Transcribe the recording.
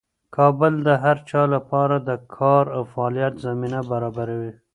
کابل د هر چا لپاره د کار او فعالیت زمینه برابروي.